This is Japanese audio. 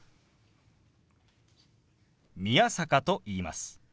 宮坂と言います。